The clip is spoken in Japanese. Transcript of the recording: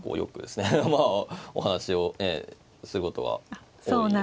まあお話をすることは多いですね。